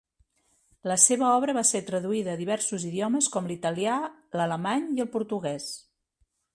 La seva obra va ser traduïda a diversos idiomes, com l'italià, l'alemany i el portuguès.